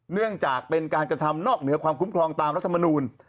เนื่องจากเป็นการกระทำนอกเหนือความคุ้มครองตามรัฐมนูล